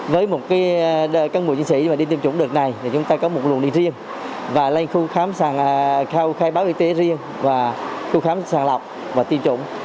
với một cân bộ nhân sĩ đi tiêm chủng đợt này chúng ta có một luồng đi riêng và lên khu khai báo y tế riêng và khu khám sàng lọc và tiêm chủng